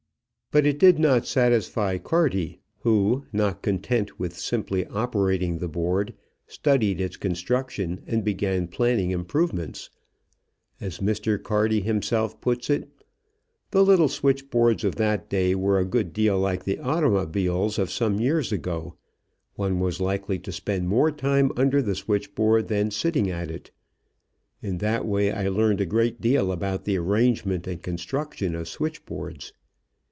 But it did not satisfy Carty, who, not content with simply operating the board, studied its construction and began planning improvements. As Mr. Carty himself puts it: The little switchboards of that day were a good deal like the automobiles of some years ago one was likely to spend more time under the switchboard than, sitting at it! In that way I learned a great deal about the arrangement and construction of switchboards.